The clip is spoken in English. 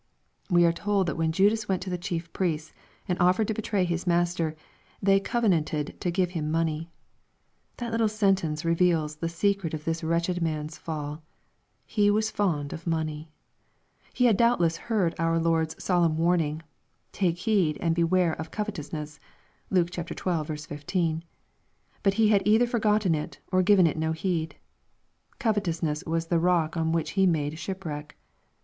We are told that when Judas went to the chief priests and oflfered to betray his Master, they " covenanted to give him money." That little sentence reveals the secret of this wretched man's fall. He was fond of money. He had doubtless heard our Lord's solemn warning, "Take heed and beware of covetous ness." (Luke xii. 15.) But he had either forgotten it, or given it no heed. Covetousness was the rock on which he made shipwreck.